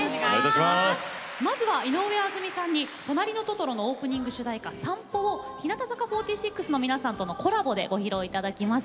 まずは井上あずみさんに「となりのトトロ」のオープニング主題歌「さんぽ」を日向坂４６の皆さんとのコラボでご披露いただきます。